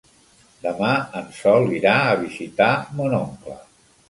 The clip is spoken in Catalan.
Demà en Sol irà a visitar mon oncle.